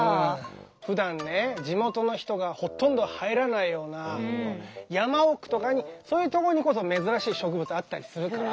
ふだんね地元の人がほとんど入らないような山奥とかにそういうとこにこそ珍しい植物あったりするから。